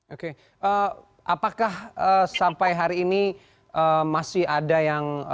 oke apakah sampai hari ini masih ada yang